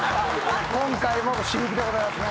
今回も私服でございますね。